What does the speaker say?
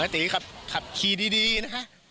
ตีขับขี่ดีนะฮะ